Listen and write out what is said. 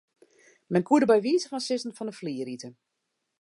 Men koe der by wize fan sizzen fan 'e flier ite.